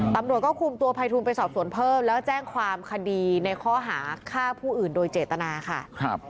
ตำรวจก็คุมตัวภัยทูลไปสอบสวนเพิ่มแล้วแจ้งความคดีในข้อหาฆ่าผู้อื่นโดยเจตนาค่ะ